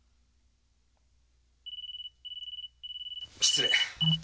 失礼。